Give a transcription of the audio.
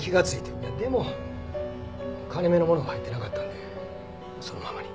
でも金目のものは入ってなかったんでそのままに。